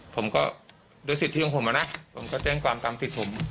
ผมก็ด้วยสิทธิของผมนะผมก็แจ้งความตามสิทธิ์ผม